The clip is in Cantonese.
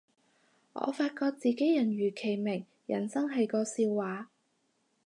我發覺自己人如其名，人生係個笑話